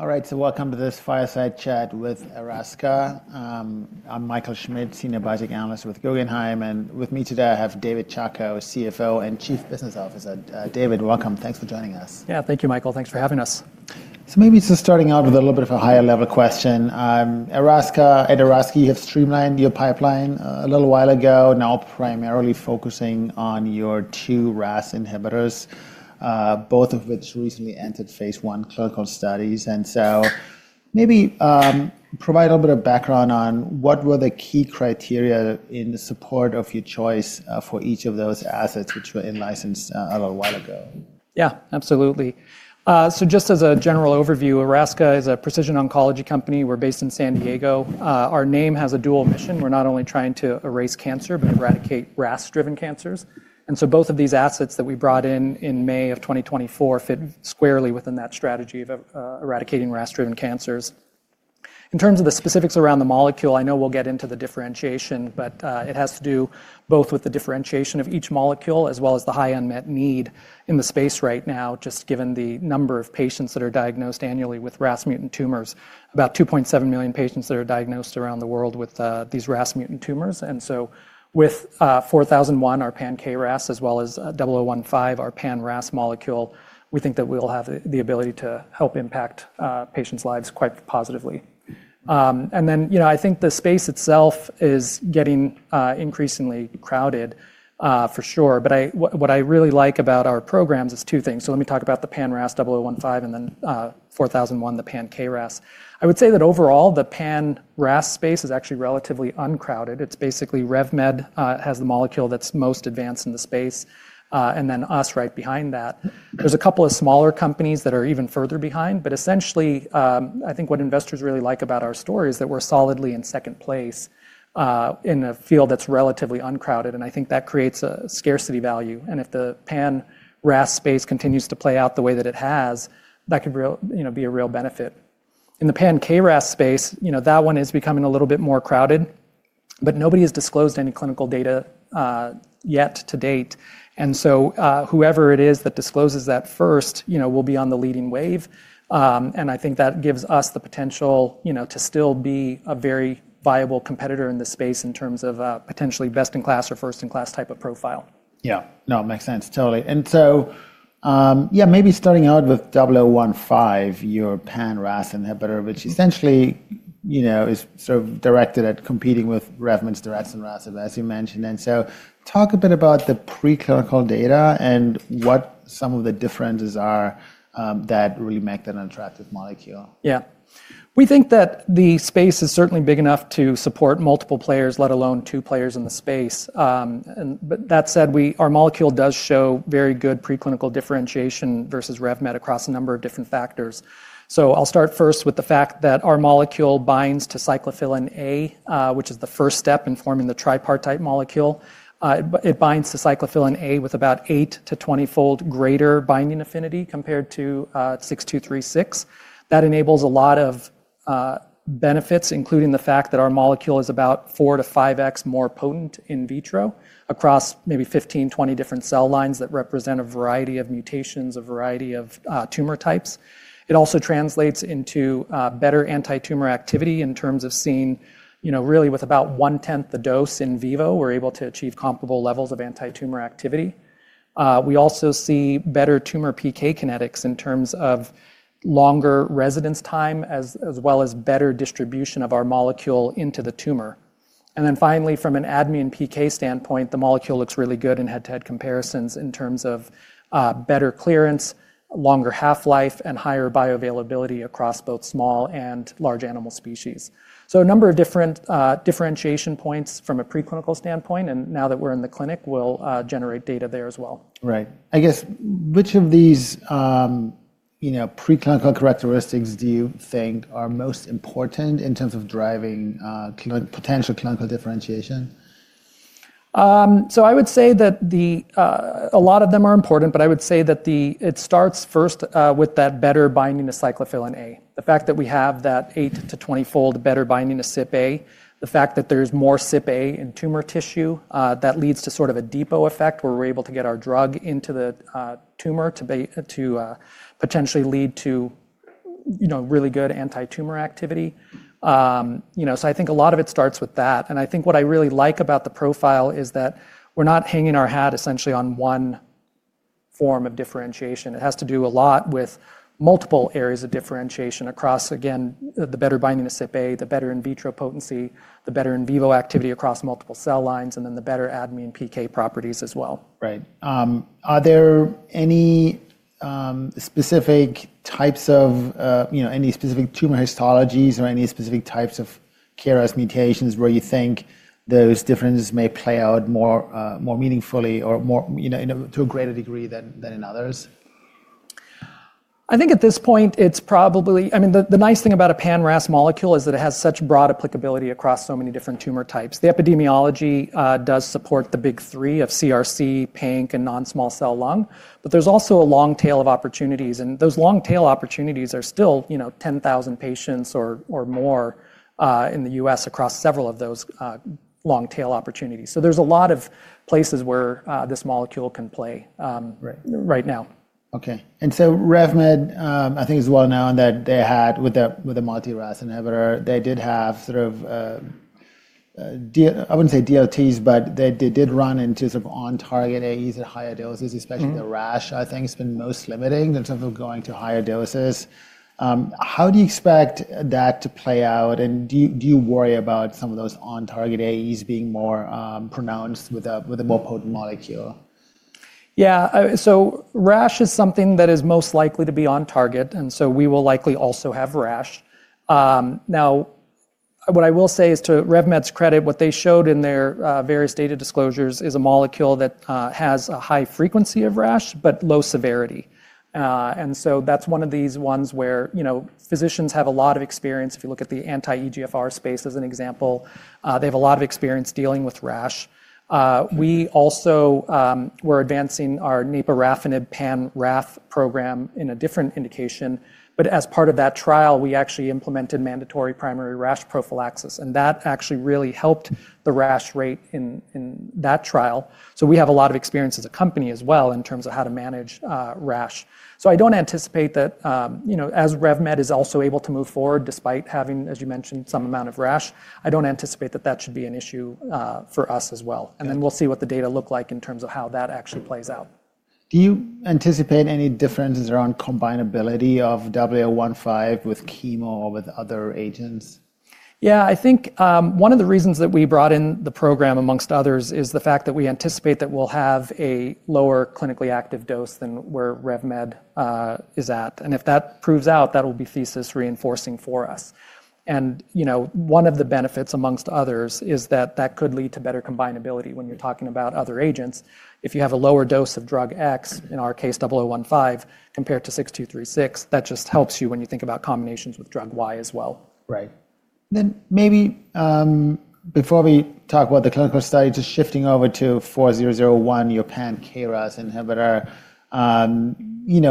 All right, so welcome to this Fireside Chat with Erasca. I'm Michael Schmidt, Senior Biotech Analyst with Guggenheim. And with me today I have David Chacko, CFO and Chief Business Officer. David, welcome. Thanks for joining us. Yeah, thank you, Michael. Thanks for having us. Maybe just starting out with a little bit of a higher-level question. At Erasca, you have streamlined your pipeline a little while ago, now primarily focusing on your two RAS inhibitors, both of which recently entered phase one clinical studies. Maybe provide a little bit of background on what were the key criteria in the support of your choice for each of those assets, which were in-licensed a little while ago. Yeah, absolutely. Just as a general overview, Erasca is a precision oncology company. We're based in San Diego. Our name has a dual mission. We're not only trying to erase cancer, but eradicate RAS-driven cancers. Both of these assets that we brought in in May of 2024 fit squarely within that strategy of eradicating RAS-driven cancers. In terms of the specifics around the molecule, I know we'll get into the differentiation, but it has to do both with the differentiation of each molecule as well as the high unmet need in the space right now, just given the number of patients that are diagnosed annually with RAS mutant tumors, about 2.7 million patients that are diagnosed around the world with these RAS mutant tumors. With 4001, our pan-KRAS, as well as 0015, our pan-RAS molecule, we think that we'll have the ability to help impact patients' lives quite positively. I think the space itself is getting increasingly crowded, for sure. What I really like about our programs is two things. Let me talk about the pan-RAS, 0015, and then 4001, the pan-KRAS. I would say that overall, the pan-RAS space is actually relatively uncrowded. It is basically Revolution Medicines has the molecule that is most advanced in the space, and then us right behind that. There are a couple of smaller companies that are even further behind. Essentially, I think what investors really like about our story is that we are solidly in second place in a field that is relatively uncrowded. I think that creates a scarcity value. If the pan-RAS space continues to play out the way that it has, that could be a real benefit. In the pan-KRAS space, that one is becoming a little bit more crowded, but nobody has disclosed any clinical data yet to date. Whoever it is that discloses that first will be on the leading wave. I think that gives us the potential to still be a very viable competitor in the space in terms of potentially best-in-class or first-in-class type of profile. Yeah, no, makes sense. Totally. Yeah, maybe starting out with 0015, your pan-RAS inhibitor, which essentially is sort of directed at competing with RevMed's direct and RAS, as you mentioned. Talk a bit about the preclinical data and what some of the differences are that really make that an attractive molecule. Yeah. We think that the space is certainly big enough to support multiple players, let alone two players in the space. That said, our molecule does show very good preclinical differentiation versus RevMed across a number of different factors. I'll start first with the fact that our molecule binds to cyclophilin A, which is the first step in forming the tripartite molecule. It binds to cyclophilin A with about 8- to 20-fold greater binding affinity compared to 6236. That enables a lot of benefits, including the fact that our molecule is about 4- to 5x more potent in vitro across maybe 15, 20 different cell lines that represent a variety of mutations, a variety of tumor types. It also translates into better anti-tumor activity in terms of seeing really with about one-tenth the dose in vivo, we're able to achieve comparable levels of anti-tumor activity. We also see better tumor PK kinetics in terms of longer residence time, as well as better distribution of our molecule into the tumor. Finally, from an admin PK standpoint, the molecule looks really good in head-to-head comparisons in terms of better clearance, longer half-life, and higher bioavailability across both small and large animal species. A number of different differentiation points from a preclinical standpoint. Now that we're in the clinic, we'll generate data there as well. Right. I guess which of these preclinical characteristics do you think are most important in terms of driving potential clinical differentiation? I would say that a lot of them are important, but I would say that it starts first with that better binding to cyclophilin A. The fact that we have that 8- to 20-fold better binding to CypA, the fact that there is more CypA in tumor tissue, that leads to sort of a depot effect where we are able to get our drug into the tumor to potentially lead to really good anti-tumor activity. I think a lot of it starts with that. I think what I really like about the profile is that we are not hanging our hat essentially on one form of differentiation. It has to do a lot with multiple areas of differentiation across, again, the better binding to CypA, the better in vitro potency, the better in vivo activity across multiple cell lines, and then the better admin PK properties as well. Right. Are there any specific types of, any specific tumor histologies or any specific types of KRAS mutations where you think those differences may play out more meaningfully or to a greater degree than in others? I think at this point, it's probably, I mean, the nice thing about a pan-RAS molecule is that it has such broad applicability across so many different tumor types. The epidemiology does support the big three of CRC, panc, and non-small cell lung. There is also a long tail of opportunities. Those long tail opportunities are still 10,000 patients or more in the U.S. across several of those long tail opportunities. There are a lot of places where this molecule can play right now. Okay. RevMed, I think as well now that they had with the multi-RAS inhibitor, they did have sort of, I would not say DOTs, but they did run into sort of on-target AEs at higher doses, especially the rash, I think has been most limiting in terms of going to higher doses. How do you expect that to play out? Do you worry about some of those on-target AEs being more pronounced with a more potent molecule? Yeah. Rash is something that is most likely to be on target. We will likely also have rash. Now, what I will say is to RevMed's credit, what they showed in their various data disclosures is a molecule that has a high frequency of rash, but low severity. That is one of these ones where physicians have a lot of experience. If you look at the anti-EGFR space, as an example, they have a lot of experience dealing with rash. We also were advancing our NEPA RAFNIB pan-RAS program in a different indication. As part of that trial, we actually implemented mandatory primary rash prophylaxis. That actually really helped the rash rate in that trial. We have a lot of experience as a company as well in terms of how to manage rash. I don't anticipate that as RevMed is also able to move forward despite having, as you mentioned, some amount of rash, I don't anticipate that that should be an issue for us as well. We'll see what the data look like in terms of how that actually plays out. Do you anticipate any differences around combinability of 0015 with chemo or with other agents? Yeah, I think one of the reasons that we brought in the program amongst others is the fact that we anticipate that we'll have a lower clinically active dose than where RevMed is at. If that proves out, that will be thesis reinforcing for us. One of the benefits amongst others is that that could lead to better combinability when you're talking about other agents. If you have a lower dose of Drug X, in our case, 0015, compared to 6236, that just helps you when you think about combinations with drug Y as well. Right. Maybe before we talk about the clinical studies, just shifting over to 4001, your pan-KRAS inhibitor.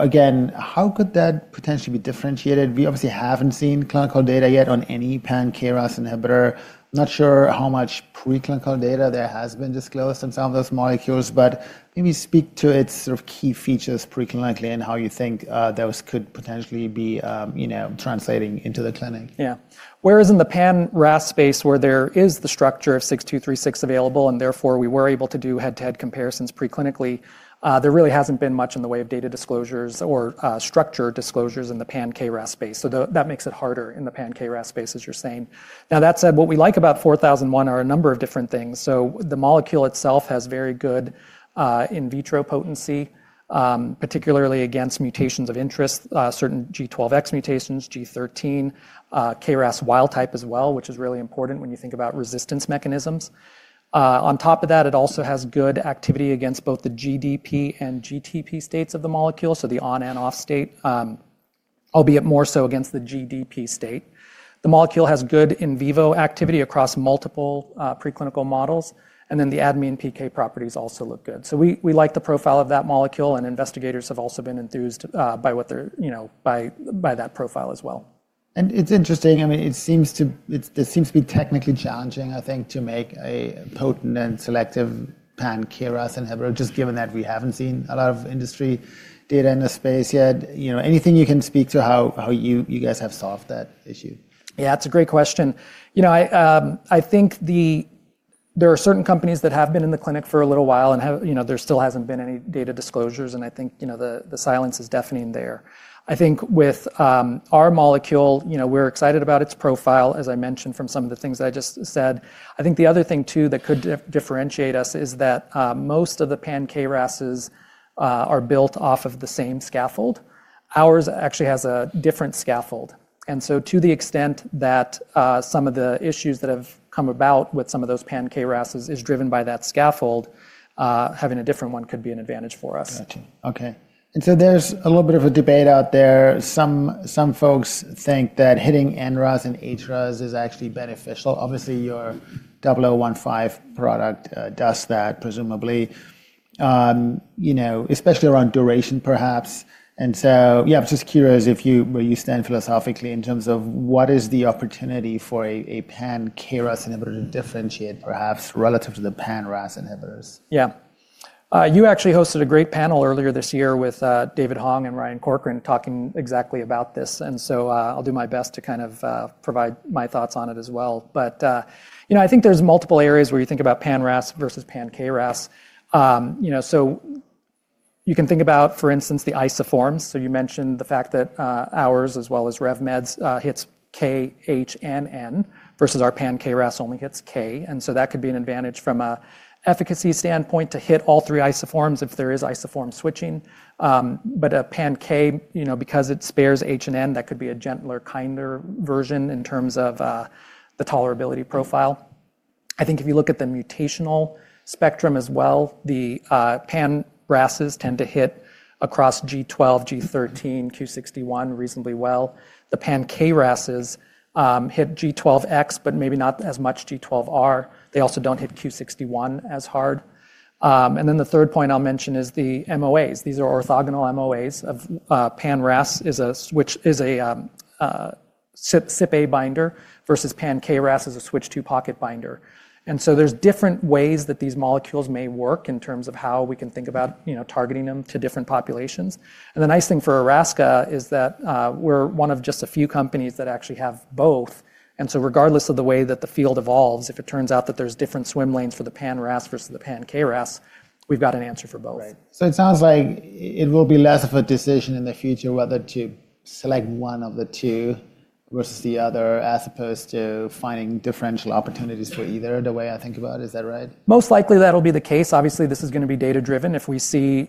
Again, how could that potentially be differentiated? We obviously have not seen clinical data yet on any pan-KRAS inhibitor. Not sure how much preclinical data there has been disclosed on some of those molecules, but maybe speak to its sort of key features preclinically and how you think those could potentially be translating into the clinic. Yeah. Whereas in the pan-RAS space, where there is the structure of 6,2,3,6 available, and therefore we were able to do head-to-head comparisons preclinically, there really hasn't been much in the way of data disclosures or structure disclosures in the pan-KRAS space. That makes it harder in the pan-KRAS space, as you're saying. Now, that said, what we like about 4001 are a number of different things. The molecule itself has very good in vitro potency, particularly against mutations of interest, certain G12X mutations, G13, KRAS wild type as well, which is really important when you think about resistance mechanisms. On top of that, it also has good activity against both the GDP and GTP states of the molecule, so the on-and-off state, albeit more so against the GDP state. The molecule has good in vivo activity across multiple preclinical models. The admin PK properties also look good. We like the profile of that molecule. Investigators have also been enthused by that profile as well. It is interesting. I mean, it seems to be technically challenging, I think, to make a potent and selective pan-KRAS inhibitor, just given that we have not seen a lot of industry data in the space yet. Anything you can speak to how you guys have solved that issue? Yeah, that's a great question. I think there are certain companies that have been in the clinic for a little while and there still has not been any data disclosures. I think the silence is deafening there. I think with our molecule, we're excited about its profile, as I mentioned from some of the things that I just said. I think the other thing too that could differentiate us is that most of the pan-KRASs are built off of the same scaffold. Ours actually has a different scaffold. To the extent that some of the issues that have come about with some of those pan-KRASs is driven by that scaffold, having a different one could be an advantage for us. Gotcha. Okay. There's a little bit of a debate out there. Some folks think that hitting NRAS and HRAS is actually beneficial. Obviously, your 0015 product does that, presumably, especially around duration, perhaps. I'm just curious where you stand philosophically in terms of what is the opportunity for a pan-KRAS inhibitor to differentiate, perhaps, relative to the pan-RAS inhibitors? Yeah. You actually hosted a great panel earlier this year with David Hong and Ryan Corcoran talking exactly about this. I'll do my best to kind of provide my thoughts on it as well. I think there's multiple areas where you think about pan-RAS versus pan-KRAS. You can think about, for instance, the isoforms. You mentioned the fact that ours, as well as RevMed's, hits K, H, and N versus our pan-KRAS only hits K. That could be an advantage from an efficacy standpoint to hit all three isoforms if there is isoform switching. A pan-K, because it spares H and N, could be a gentler, kinder version in terms of the tolerability profile. I think if you look at the mutational spectrum as well, the pan-RASs tend to hit across G12, G13, Q61 reasonably well. The pan-KRASs hit G12X, but maybe not as much G12R. They also do not hit Q61 as hard. The third point I will mention is the MOAs. These are orthogonal MOAs of pan-RAS, which is a CypA binder versus pan-KRAS is a switch two pocket binder. There are different ways that these molecules may work in terms of how we can think about targeting them to different populations. The nice thing for Erasca is that we are one of just a few companies that actually have both. Regardless of the way that the field evolves, if it turns out that there are different swim lanes for the pan-RAS versus the pan-KRAS, we have got an answer for both. Right. So it sounds like it will be less of a decision in the future whether to select one of the two versus the other as opposed to finding differential opportunities for either, the way I think about it. Is that right? Most likely that'll be the case. Obviously, this is going to be data-driven. If we see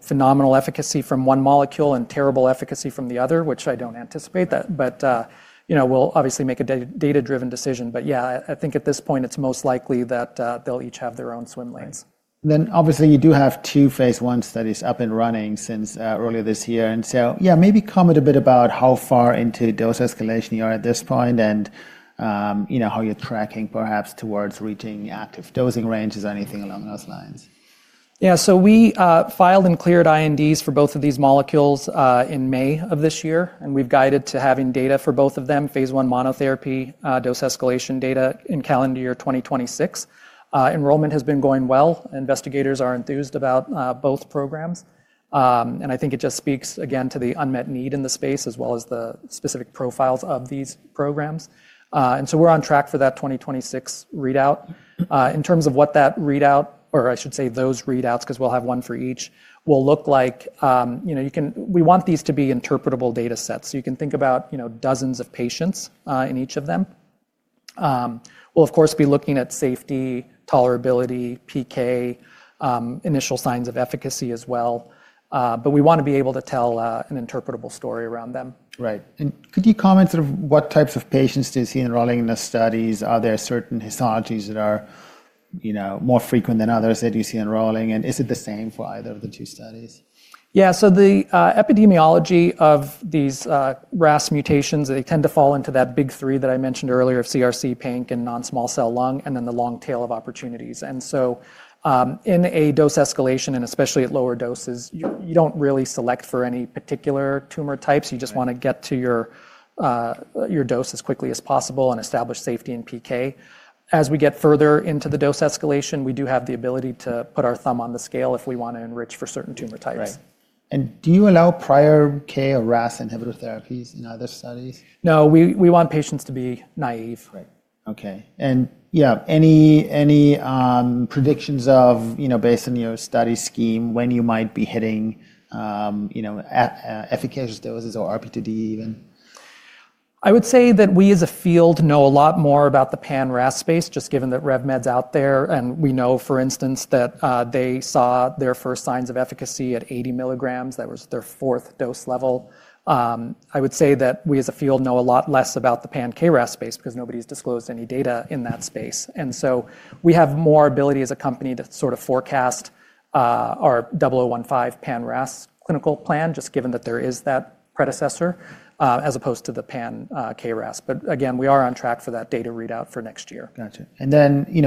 phenomenal efficacy from one molecule and terrible efficacy from the other, which I don't anticipate, we'll obviously make a data-driven decision. Yeah, I think at this point, it's most likely that they'll each have their own swim lanes. Obviously, you do have two phase I studies up and running since earlier this year. Maybe comment a bit about how far into dose escalation you are at this point and how you're tracking perhaps towards reaching active dosing ranges or anything along those lines. Yeah. We filed and cleared INDs for both of these molecules in May of this year. We have guided to having data for both of them, phase one monotherapy dose escalation data in calendar year 2026. Enrollment has been going well. Investigators are enthused about both programs. I think it just speaks again to the unmet need in the space as well as the specific profiles of these programs. We are on track for that 2026 readout. In terms of what that readout, or I should say those readouts, because we will have one for each, will look like, we want these to be interpretable data sets. You can think about dozens of patients in each of them. We will, of course, be looking at safety, tolerability, PK, initial signs of efficacy as well. We want to be able to tell an interpretable story around them. Right. Could you comment sort of what types of patients do you see enrolling in the studies? Are there certain histologies that are more frequent than others that you see enrolling? Is it the same for either of the two studies? Yeah. The epidemiology of these RAS mutations, they tend to fall into that big three that I mentioned earlier of CRC, panc, and non-small cell lung, and then the long tail of opportunities. In a dose escalation, and especially at lower doses, you do not really select for any particular tumor types. You just want to get to your dose as quickly as possible and establish safety and PK. As we get further into the dose escalation, we do have the ability to put our thumb on the scale if we want to enrich for certain tumor types. Right. Do you allow prior KRAS inhibitor therapies in other studies? No, we want patients to be naive. Right. Okay. Yeah, any predictions based on your study scheme when you might be hitting efficacious doses or RPTD even? I would say that we as a field know a lot more about the pan-RAS space, just given that RevMed's out there. We know, for instance, that they saw their first signs of efficacy at 80 milligrams. That was their fourth dose level. I would say that we as a field know a lot less about the pan-KRAS space because nobody's disclosed any data in that space. We have more ability as a company to sort of forecast our 0015 pan-RAS clinical plan, just given that there is that predecessor as opposed to the pan-KRAS. We are on track for that data readout for next year. Gotcha.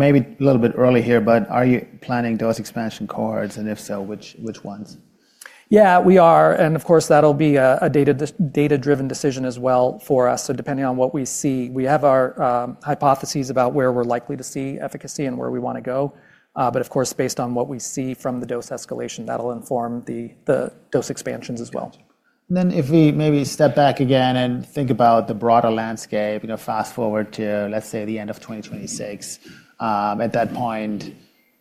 Maybe a little bit early here, but are you planning dose expansion cohorts? If so, which ones? Yeah, we are. Of course, that'll be a data-driven decision as well for us. Depending on what we see, we have our hypotheses about where we're likely to see efficacy and where we want to go. Of course, based on what we see from the dose escalation, that'll inform the dose expansions as well. If we maybe step back again and think about the broader landscape, fast forward to, let's say, the end of 2026. At that point,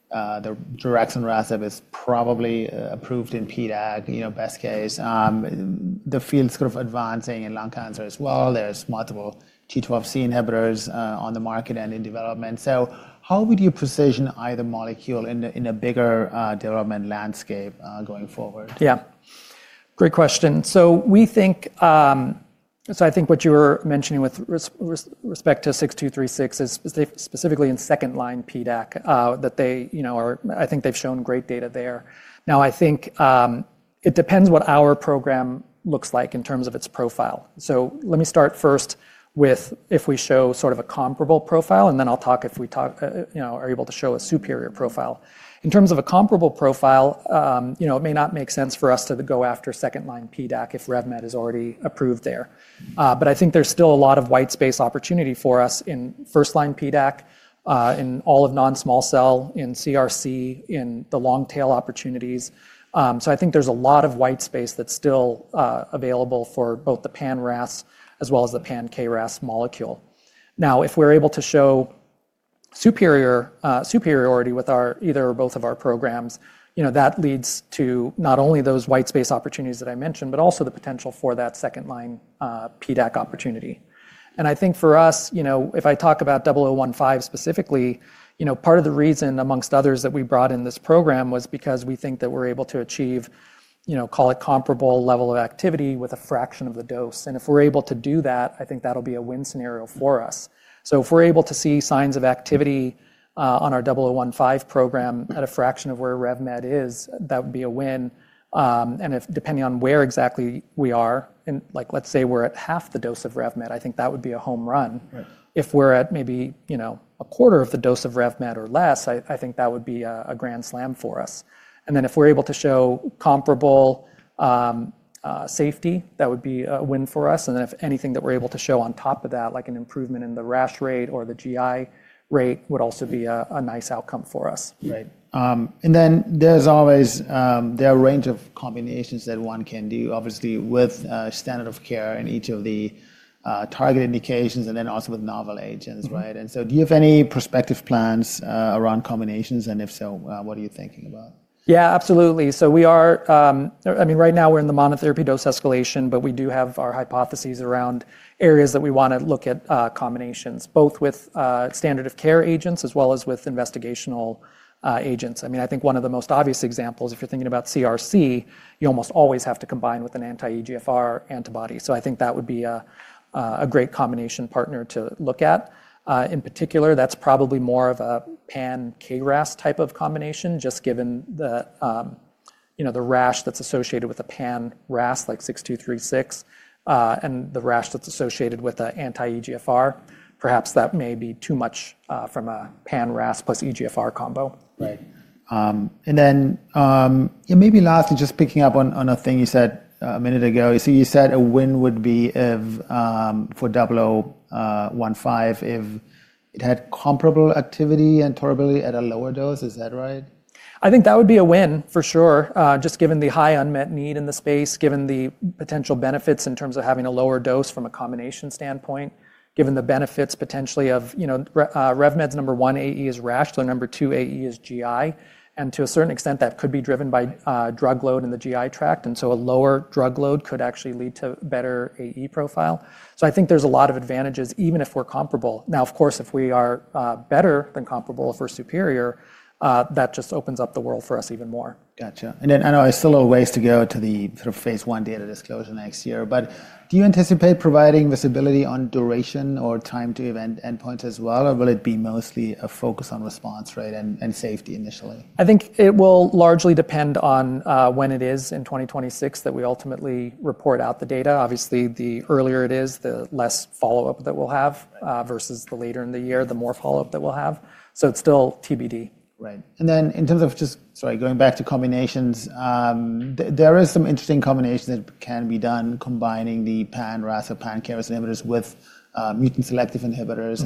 the Jurex and RASEB is probably approved in PDAC, best case. The field's sort of advancing in lung cancer as well. There's multiple G12C inhibitors on the market and in development. How would you position either molecule in a bigger development landscape going forward? Yeah. Great question. I think what you were mentioning with respect to 6236 is specifically in second line PDAC that I think they've shown great data there. I think it depends what our program looks like in terms of its profile. Let me start first with if we show sort of a comparable profile, and then I'll talk if we are able to show a superior profile. In terms of a comparable profile, it may not make sense for us to go after second line PDAC if RevMed is already approved there. I think there's still a lot of white space opportunity for us in first line PDAC, in all of non-small cell, in CRC, in the long tail opportunities. I think there's a lot of white space that's still available for both the pan-RAS as well as the pan-KRAS molecule. Now, if we're able to show superiority with either or both of our programs, that leads to not only those white space opportunities that I mentioned, but also the potential for that second line PDAC opportunity. I think for us, if I talk about 0015 specifically, part of the reason, amongst others, that we brought in this program was because we think that we're able to achieve, call it comparable level of activity with a fraction of the dose. If we're able to do that, I think that'll be a win scenario for us. If we're able to see signs of activity on our 0015 program at a fraction of where RevMed is, that would be a win. Depending on where exactly we are, like let's say we're at half the dose of RevMed, I think that would be a home run. If we're at maybe a quarter of the dose of RevMed or less, I think that would be a grand slam for us. If we're able to show comparable safety, that would be a win for us. If anything that we're able to show on top of that, like an improvement in the RAS rate or the GI rate, would also be a nice outcome for us. Right. There is always a range of combinations that one can do, obviously, with standard of care in each of the target indications and then also with novel agents, right? Do you have any prospective plans around combinations? If so, what are you thinking about? Yeah, absolutely. I mean, right now we're in the monotherapy dose escalation, but we do have our hypotheses around areas that we want to look at combinations, both with standard of care agents as well as with investigational agents. I mean, I think one of the most obvious examples, if you're thinking about CRC, you almost always have to combine with an anti-EGFR antibody. I think that would be a great combination partner to look at. In particular, that's probably more of a pan-KRAS type of combination, just given the rash that's associated with a pan-RAS, like 6236, and the rash that's associated with an Anti-EGFR. Perhaps that may be too much from a pan-RAS plus EGFR combo. Right. Maybe lastly, just picking up on a thing you said a minute ago, you said a win would be for 0015 if it had comparable activity and tolerability at a lower dose. Is that right? I think that would be a win for sure, just given the high unmet need in the space, given the potential benefits in terms of having a lower dose from a combination standpoint, given the benefits potentially of RevMed's number one AE is rash, their number two AE is GI. To a certain extent, that could be driven by drug load in the GI tract. A lower drug load could actually lead to a better AE profile. I think there's a lot of advantages even if we're comparable. Of course, if we are better than comparable, if we're superior, that just opens up the world for us even more. Gotcha. I know there's still a ways to go to the sort of phase one data disclosure next year. Do you anticipate providing visibility on duration or time to event endpoints as well, or will it be mostly a focus on response, right, and safety initially? I think it will largely depend on when it is in 2026 that we ultimately report out the data. Obviously, the earlier it is, the less follow-up that we'll have versus the later in the year, the more follow-up that we'll have. It is still TBD. Right. In terms of just, sorry, going back to combinations, there is some interesting combination that can be done combining the pan-RAS or pan-KRAS inhibitors with mutant selective inhibitors.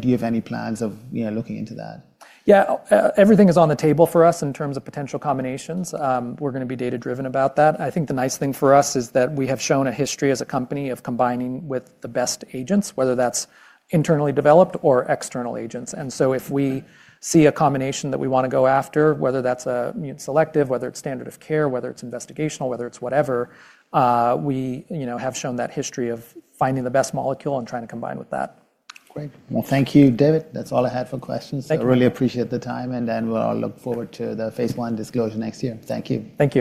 Do you have any plans of looking into that? Yeah, everything is on the table for us in terms of potential combinations. We're going to be data-driven about that. I think the nice thing for us is that we have shown a history as a company of combining with the best agents, whether that's internally developed or external agents. If we see a combination that we want to go after, whether that's a selective, whether it's standard of care, whether it's investigational, whether it's whatever, we have shown that history of finding the best molecule and trying to combine with that. Great. Thank you, David. That is all I had for questions. I really appreciate the time. We will all look forward to the phase I disclosure next year. Thank you. Thank you.